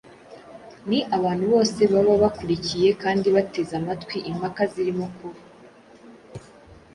Ni abantu bose baba bakurikiye kandi bateze amatwi impaka zirimo kuba.